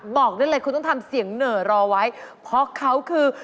บอกได้เลยคุณต้องทำเสียงเหนอรอไว้เพราะเขาคือ